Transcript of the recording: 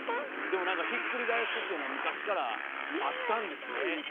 でもなんかひっくり返すっていうのは昔からあったんですね。ね！